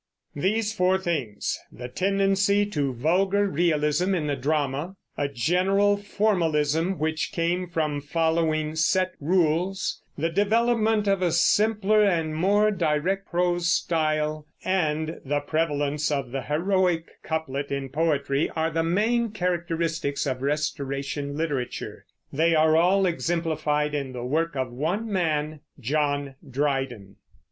These four things, the tendency to vulgar realism in the drama, a general formalism which came from following set rules, the development of a simpler and more direct prose style, and the prevalence of the heroic couplet in poetry are the main characteristics of Restoration literature. They are all exemplified in the work of one man, John Dryden.